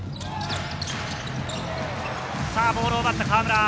ボールを奪った河村。